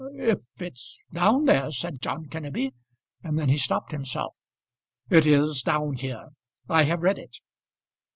"If it's down there " said John Kenneby, and then he stopped himself. "It is down here; I have read it."